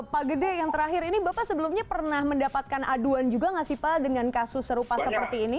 pak gede yang terakhir ini bapak sebelumnya pernah mendapatkan aduan juga nggak sih pak dengan kasus serupa seperti ini